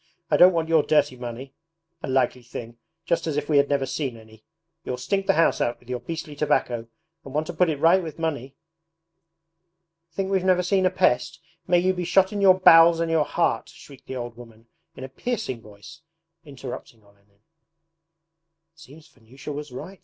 I don't want your dirty money! A likely thing just as if we had never seen any! You'll stink the house out with your beastly tobacco and want to put it right with money! Think we've never seen a pest! May you be shot in your bowels and your heart!' shrieked the old woman in a piercing voice, interrupting Olenin. 'It seems Vanyusha was right!'